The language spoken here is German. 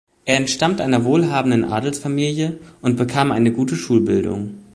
Er entstammt einer wohlhabenden Adelsfamilie und bekam eine gut Schulbildung.